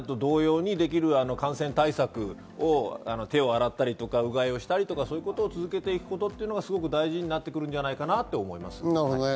これまでと同様にできる感染対策、手を洗ったり、うがいをしたりということを続けることがすごく大事になってくるんじゃないかなと思います。